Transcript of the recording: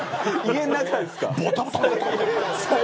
家の中ですか？